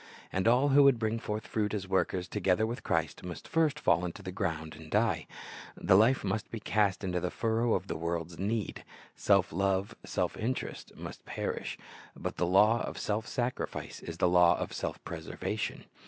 And all who would bring forth fruit as workers together with Christ, must first fall into the ground and die. The life must be cast into the furrow of the world's need. Self love, self interest, must perish. But the lav/ of self sacrifice is the law of self preservation.